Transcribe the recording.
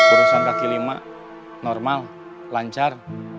urusan kaki lima normal lancar